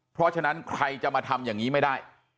เพราะฉะนั้นใครจะมาทำอย่างนี้ไม่ได้